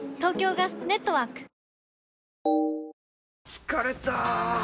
疲れた！